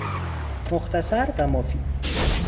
مختصر و مفید